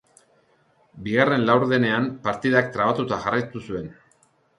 Bigarren laurdenean partidak trabatuta jarraitu zuen.